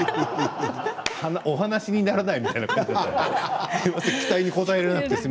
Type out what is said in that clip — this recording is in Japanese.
お話にならないみたいな感じでした。